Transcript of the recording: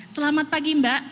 selamat pagi mbak